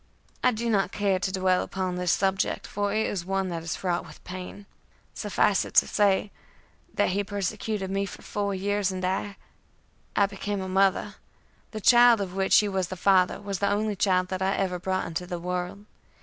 I do not care to dwell upon this subject, for it is one that is fraught with pain. Suffice it to say, that he persecuted me for four years, and I I became a mother. The child of which he was the father was the only child that I ever brought into the world.